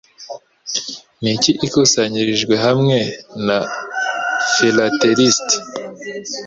Niki Ikusanyirijwe hamwe na Philatelist